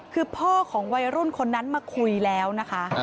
คือพ่อของวัยรุ่นคนนั้นมาคุยแล้วนะคะ